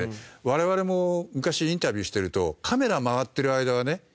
我々も昔インタビューしてるとカメラ回ってる間はね